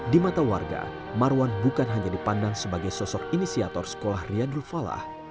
di mata warga marwan bukan hanya dipandang sebagai sosok inisiator sekolah riyadrul falah